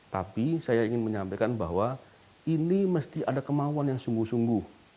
tapi saya ingin menyampaikan bahwa ini mesti ada kemauan yang sungguh sungguh